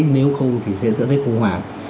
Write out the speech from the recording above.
nếu không thì sẽ dẫn đến khủng hoảng